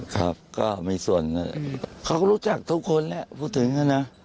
ครับก็มีส่วนเขาก็รู้จักทุกคนแหละพูดถึงนะ